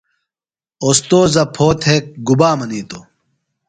اوستوذہ پھو تھےۡ گُبا منیتوۡ؟